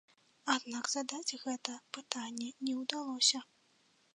Аднак задаць гэта пытанне не ўдалося.